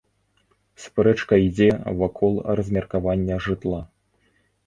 Спрэчка ідзе вакол размеркавання жытла.